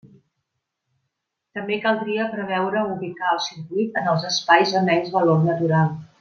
També caldria preveure ubicar el circuit en els espais de menys valor natural.